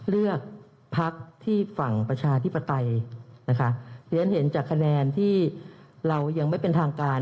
เลือกพักที่ฝั่งประชาธิปไตยนะคะเพราะฉะนั้นเห็นจากคะแนนที่เรายังไม่เป็นทางการ